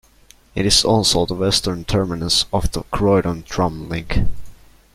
It is also the western terminus of the Croydon Tramlink.